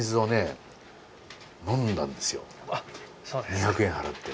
２００円払って。